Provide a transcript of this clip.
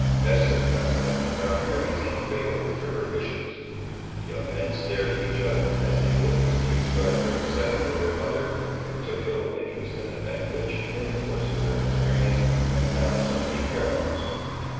Esther consequently found every thing favourable to her wishes. The young men stared at each other, as they witnessed the extraordinary excitement of their mother, but took little interest in an event which, in the course of their experience, had found so many parallels.